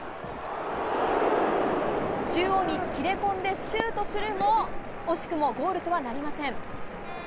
中央に切れ込んでシュートするも惜しくもゴールとはなりません。